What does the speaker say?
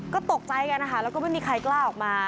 ก็ตกใจกันนะคะแล้วก็ไม่มีใครกล้าออกมา